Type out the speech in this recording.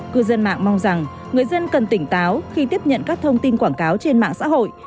cư dân mạng mong rằng người dân cần tỉnh táo khi tiếp nhận các thông tin quảng cáo trên mạng xã hội